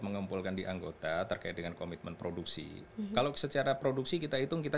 mengumpulkan di anggota terkait dengan komitmen produksi kalau secara produksi kita hitung kita